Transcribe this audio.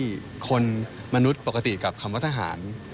คนมนุษย์ปกติกับคำว่าทหาร